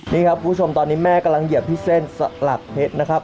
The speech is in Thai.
นี่ครับคุณผู้ชมตอนนี้แม่กำลังเหยียบที่เส้นสลักเพชรนะครับ